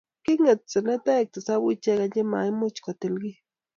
king'etu senetaek tisabu ichegei chemaimuch kotil kiy